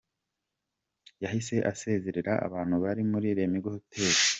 Yahise asezerera abantu bari muri Lemigo Hotel.